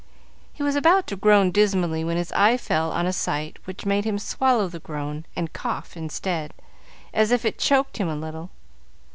He was about to groan dismally, when his eye fell on a sight which made him swallow the groan, and cough instead, as if it choked him a little.